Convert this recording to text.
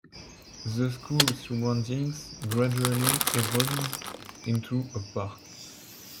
The school surroundings gradually evolved into a park.